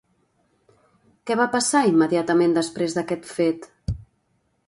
Què va passar immediatament després d'aquest fet?